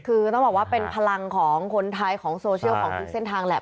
คือต้องบอกว่าเป็นพลังของคนไทยของโซเชียลของทุกเส้นทางแหละ